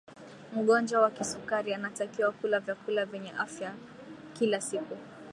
mgonjwa wa kisukari anatakiwa kula vyakula vyenye afya kila siku